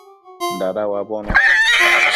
Dada uabono